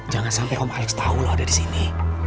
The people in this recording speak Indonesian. jangan sampai om alex tau lo ada disini